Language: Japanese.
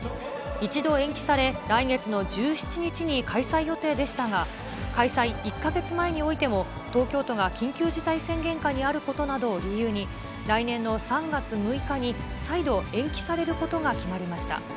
一度延期され、来月の１７日に開催予定でしたが、開催１か月前においても東京都が緊急事態宣言下にあることなどを理由に、来年の３月６日に、再度延期されることが決まりました。